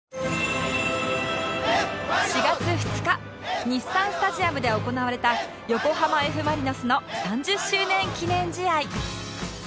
４月２日日産スタジアムで行われた横浜 Ｆ ・マリノスの３０周年記念試合